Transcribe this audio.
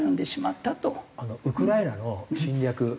ウクライナの侵略ですね